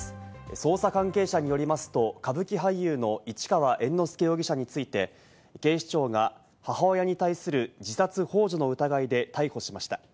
捜査関係者によりますと、歌舞伎俳優の市川猿之助容疑者について、警視庁が母親に対する自殺ほう助の疑いで逮捕しました。